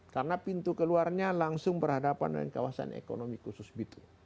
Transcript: karena pintu keluarnya langsung berhadapan dengan kawasan ekonomi khusus bitu